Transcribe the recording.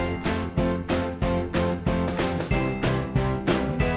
แล้วก็ความสุขในที่ที่เราอยู่ในช่องนี้ก็คือความสุขในที่ที่เราอยู่ในช่องนี้